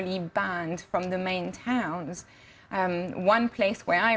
sebuah tempat yang saya pergi